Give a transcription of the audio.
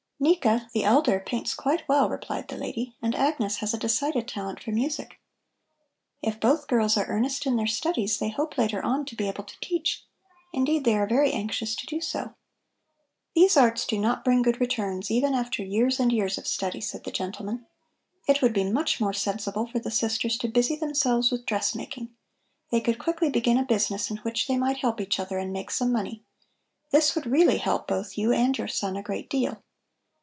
"Nika, the elder, paints quite well," replied the lady, "and Agnes has a decided talent for music. If both girls are earnest in their studies, they hope later on to be able to teach; indeed, they are very anxious to do so." "These arts do not bring good returns, even after years and years of study," said the gentleman. "It would be much more sensible for the sisters to busy themselves with dressmaking. They could quickly begin a business in which they might help each other and make some money. This would really help both you and your son a great deal.